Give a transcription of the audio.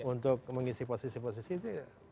untuk mengisi posisi posisi itu